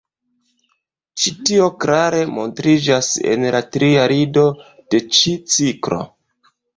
Ĉi tio klare montriĝas en la tria lido de ĉi ciklo.